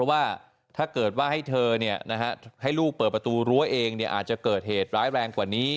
ว่าถ้าเกิดว่าให้เธอให้ลูกเปิดประตูรั้วเองอาจจะเกิดเหตุร้ายแรงกว่านี้